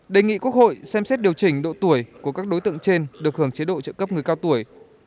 đề nghị quốc hội xem xét điều chỉnh độ tuổi của các đối tượng trên được hưởng chế độ trợ cấp người cao tuổi